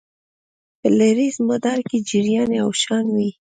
په لړیز مدار کې جریان یو شان وي.